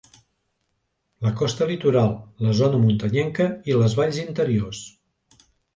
La costa litoral, la zona muntanyenca i les valls interiors.